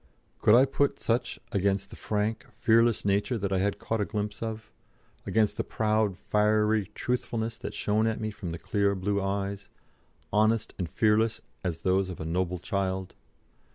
Could I put such against the frank, fearless nature that I had caught a glimpse of, against the proud fiery truthfulness that shone at me from the clear, blue eyes, honest and fearless as those of a noble child?